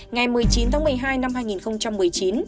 ngày một mươi chín tháng một mươi hai năm hai nghìn một mươi chín